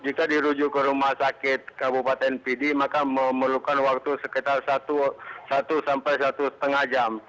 jika dirujuk ke rumah sakit kabupaten pidi maka memerlukan waktu sekitar satu sampai satu lima jam